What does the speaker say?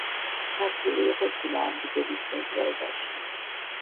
ჩართული იყო წინააღმდეგობის მოძრაობაში.